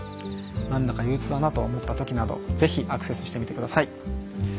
何だか憂鬱だなと思った時などぜひアクセスしてみてください。